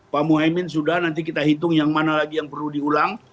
pak muhaymin sudah nanti kita hitung yang mana lagi yang perlu diulang